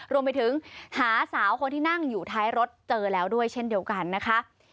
รวมไปถึงหาสาวคนที่นั่งอยู่ท้ายรถเจอแล้วด้วยเช่นเดียวกันนะคะ